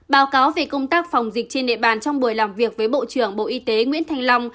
báo cáo về công tác phòng dịch trên địa bàn trong buổi làm việc với bộ trưởng bộ y tế nguyễn thanh long